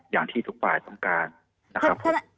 อย่างที่ทุกฝ่ายต้องการนะครับผม